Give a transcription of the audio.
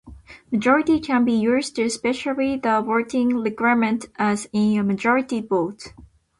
"Majority" can be used to specify the voting requirement, as in a "majority vote".